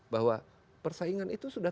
bahwa persaingan itu sudah